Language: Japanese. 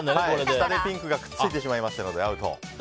下でピンクがくっつきましたので、アウト。